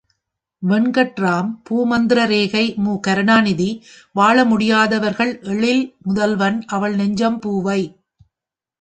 வெங்கட்ராம் பூமத்திரரேகை மு. கருணாநிதி வாழமுடியாதவர்கள் எழில் முதல்வன் அவள்நெஞ்சம் பூவை.